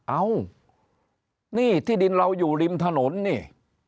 เอ้านี่ที่ดินเราอยู่ริมถนนนี่